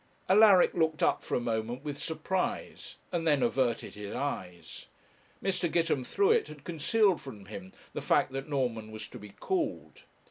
Alaric looked up for a moment with surprise, and then averted his eyes. Mr. Gitemthruet had concealed from him the fact that Norman was to be called.